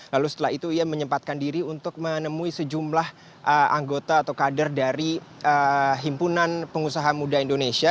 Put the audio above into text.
lalu setelah itu ia menyempatkan diri untuk menemui sejumlah anggota atau kader dari himpunan pengusaha muda indonesia